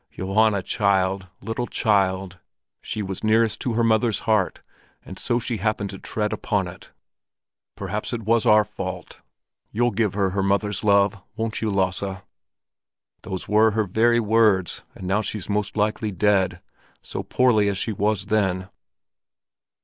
Johanna child, little child! She was nearest her mother's heart, and so she happened to tread upon it. Perhaps it was our fault. You'll give her her mother's love, won't you, Lasse?' Those were her very words, and now she's most likely dead, so poorly as she was then."